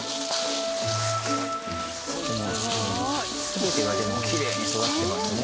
全てがでもきれいに育ってますね。